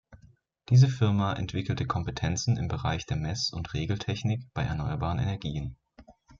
Diese Firma entwickelte Kompetenzen im Bereich der Meß- und Regeltechnik bei erneuerbaren Energien.